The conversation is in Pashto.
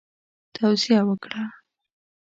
توصیه وکړه.